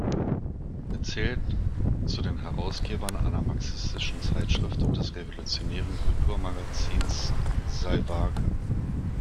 Er zählt zu den Herausgebern einer marxistischen Zeitschrift und des „revolutionären“ Kulturmagazins "Salvage".